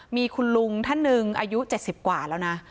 มีคุณลุงท่านหนึ่งอายุ๗๐กว่าแล้วนะ